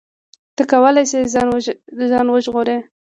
ته کولی شې ځان وژغورې.